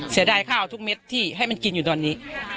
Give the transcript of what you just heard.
เสียดายข้าวทุกเม็ดที่ให้มันกินอยู่ตอนนี้